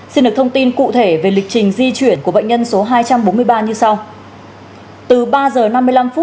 xin được thông tin cụ thể về lịch trình di chuyển của bệnh nhân số hai trăm bốn mươi ba như sau